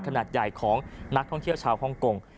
ขนาดใหญ่ของนักท่องเที่ยวชาวฮ่องกง